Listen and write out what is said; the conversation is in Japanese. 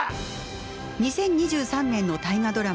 ２０２３年の大河ドラマ